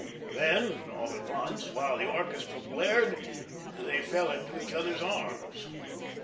Then all at once, while the orchestra blared, they fell into each other's arms.